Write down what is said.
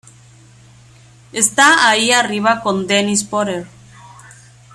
Está ahí arriba con Dennis Potter.